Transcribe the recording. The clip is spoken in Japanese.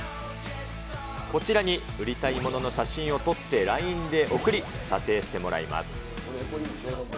こちらに売りたいものの写真を撮ってＬＩＮＥで送り査定してもらいます。